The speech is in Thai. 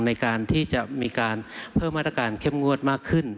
ในการที่จะมีการเพิ่มมาตรการเข้มงวดมากขึ้น